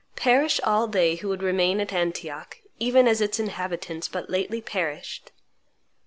Perish all they who would remain at Antioch, even as its inhabitants but lately perished!"